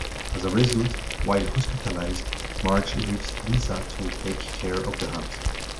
As a result, while hospitalized, Marge leaves Lisa to take care of the house.